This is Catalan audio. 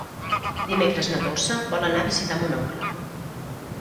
Dimecres na Dolça vol anar a visitar mon oncle.